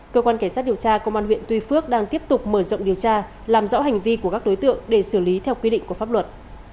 cơ quan cảnh sát điều tra công an huyện tuy phước đang tiếp tục mở rộng điều tra làm rõ hành vi của các đối tượng để xử lý theo quy định của pháp luật